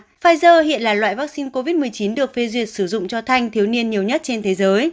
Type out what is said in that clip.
pfizer hiện là loại vaccine covid một mươi chín được phê duyệt sử dụng cho thanh thiếu niên nhiều nhất trên thế giới